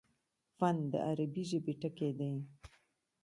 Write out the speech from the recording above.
فن: د عربي ژبي ټکی دﺉ.